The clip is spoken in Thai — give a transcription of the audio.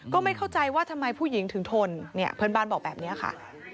ก็ไม่เข้าใจว่าทำไมผู้หญิงถึงทนเนี่ยเพื่อนบ้านบอกแบบนี้ค่ะ